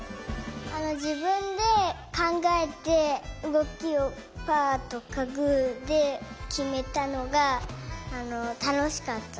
じぶんでかんがえてうごきをパーとかグーできめたのがたのしかった。